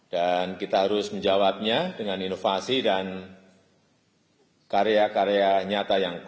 dan kita harus menjawabnya dengan inovasi dan karya karya